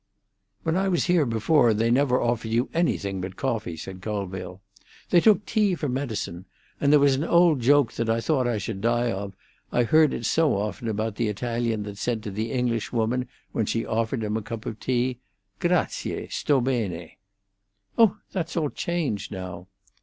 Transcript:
"When I was here before, they never offered you anything but coffee," said Colville. "They took tea for medicine, and there was an old joke that I thought I should die of, I heard it so often about the Italian that said to the English woman when she offered him tea, 'Grazie; sto bene.'" "Oh, that's all changed now."